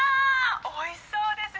おいしそうですね。